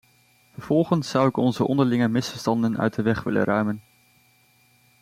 Vervolgens zou ik onze onderlinge misverstanden uit de weg willen ruimen.